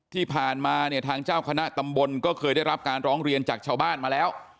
ที่ผ่านมาเนี่ยทางเจ้าคณะตำบลก็เคยได้รับการร้องเรียนจากชาวบ้านมาแล้ว